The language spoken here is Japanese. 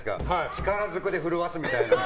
力づくで震わすみたいな。